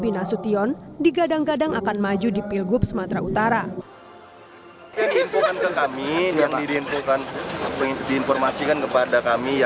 binasution digadang gadang akan maju di pilgub sumatera utara